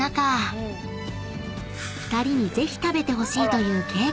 ［２人にぜひ食べてほしいというケーキが］